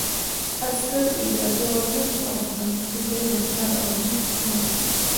عسکر اجازه ورنکړه او په همدې ځای د کار امر یې وکړ